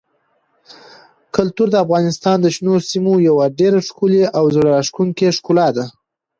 کلتور د افغانستان د شنو سیمو یوه ډېره ښکلې او زړه راښکونکې ښکلا ده.